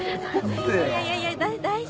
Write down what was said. いやいやいや大丈夫です。